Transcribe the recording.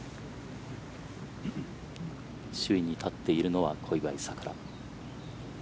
首位に立っているのは小祝さくら。